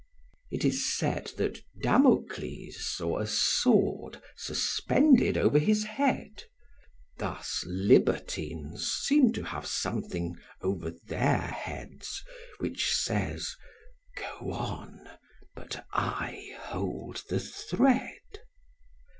It is said that Damocles saw a sword suspended over his head. Thus libertines seem to have something over their heads which says "Go on, but I hold the thread."